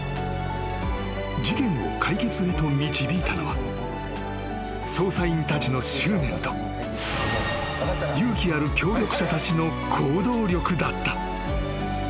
［事件を解決へと導いたのは捜査員たちの執念と勇気ある協力者たちの行動力だった］